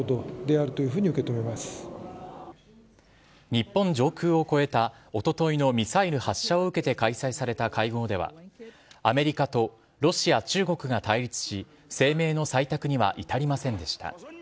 日本上空を越えたおとといのミサイル発射を受けて開催された会合ではアメリカとロシア、中国が対立し声明の採択には至りませんでした。